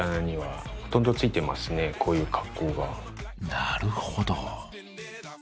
なるほど。